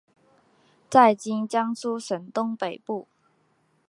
在今江苏省东北部。